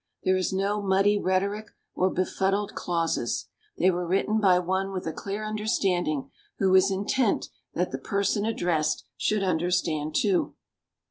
There is no muddy rhetoric or befuddled clauses. They were written by one with a clear understanding, who was intent that the person addressed should understand, too.